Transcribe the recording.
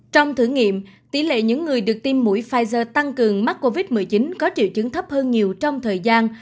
trong thử nghiệm tỷ lệ những người được tiêm mũi pfizer tăng cường mắc covid một mươi chín có triệu chứng thấp hơn nhiều trong thời gian